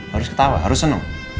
harus ketawa harus seneng